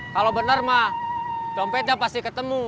kalau benar mah dompetnya pasti ketemu